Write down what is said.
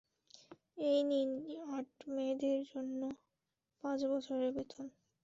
এইনিন, আট মেয়েদের জন্য পাঁচ বছরের বেতন।